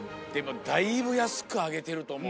だいぶ安くあげてると思う。